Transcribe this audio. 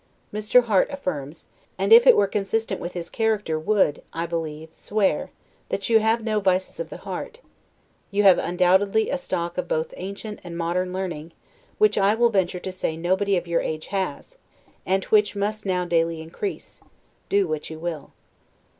Mr. Harte affirms (and if it were consistent with his character would, I believe, swear) that you have no vices of the heart; you have undoubtedly a stock of both ancient and modern learning, which I will venture to say nobody of your age has, and which must now daily increase, do what you will.